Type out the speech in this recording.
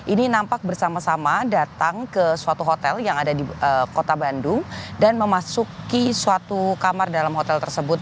ini nampak bersama sama datang ke suatu hotel yang ada di kota bandung dan memasuki suatu kamar dalam hotel tersebut